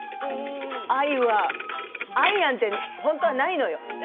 愛なんて本当はないのよ。